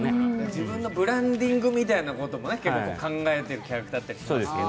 自分のブランディングみたいなのも考えているキャラクターだったり。